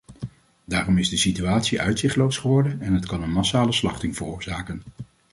Daarom is de situatie uitzichtloos geworden en het kan een massale slachting veroorzaken.